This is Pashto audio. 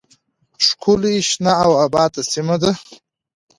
، ښکلې، شنه او آباده سیمه ده.